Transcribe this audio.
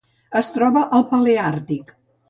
Es troba al Paleàrtic.